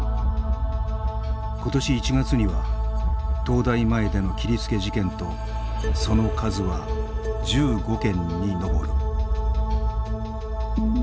今年１月には東大前での切りつけ事件とその数は１５件に上る。